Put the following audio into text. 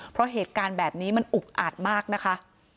เพราะเหตุการณ์แบบนี้มันอุกอาดมากนะคะ